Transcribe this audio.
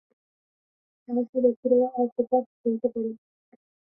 সাহসী ব্যক্তিরাই অকপট হইতে পারে।